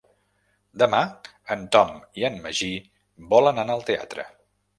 Demà en Tom i en Magí volen anar al teatre.